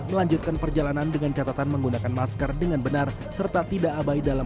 melanjutkan perjalanan dengan catatan menggunakan masker dengan benar serta tidak abai dalam